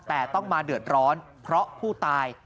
แต่ต้องมาเดือดร้อนเพราะผู้ตาย